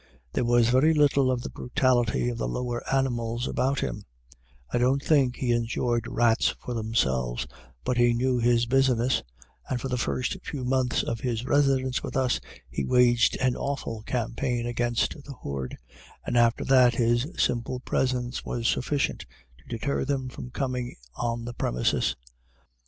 There was very little of the brutality of the lower animals about him; I don't think he enjoyed rats for themselves, but he knew his business, and for the first few months of his residence with us he waged an awful campaign against the horde, and after that his simple presence was sufficient to deter them from coming on the premises.